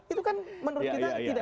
itu kan menurut kita tidak